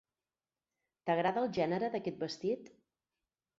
T'agrada el gènere d'aquest vestit?